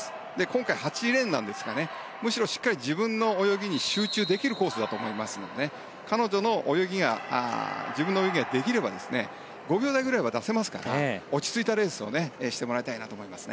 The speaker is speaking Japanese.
今回８レーンなんですがむしろしっかり自分の泳ぎに集中できるコースだと思いますから自分の泳ぎができれば５秒台くらいは出せますから落ち着いたレースをしてもらいたいなと思います。